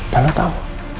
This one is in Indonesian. dan lo tau